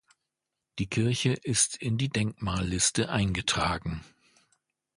Die Kirche ist in die Denkmalliste eingetragen.